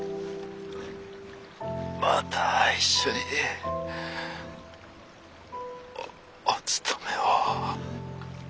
また一緒にお盗めを。